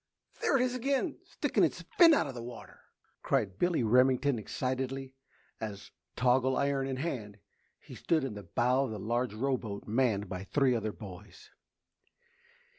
There it is again sticking its fin out of the water," cried Billy Remington excitedly, as, toggle iron in hand, he stood in the bow of the large rowboat manned by three other boys.